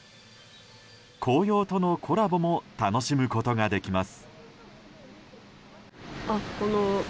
紅葉とのコラボも楽しむことができます。